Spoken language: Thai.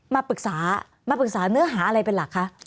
มาปรึกษามาปรึกษาเนื้อหาอะไรเป็นหลักคะ